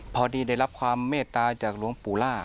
พอดีได้รับความเมตตาจากหลวงปู่ล่า